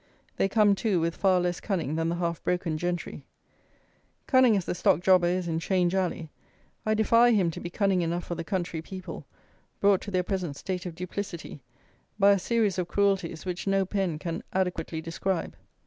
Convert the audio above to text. They come, too, with far less cunning than the half broken gentry. Cunning as the Stock Jobber is in Change Alley, I defy him to be cunning enough for the country people, brought to their present state of duplicity by a series of cruelties which no pen can adequately describe.